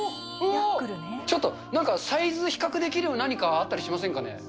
ちょっとなんか、サイズ比較できる何かあったりしませんかね？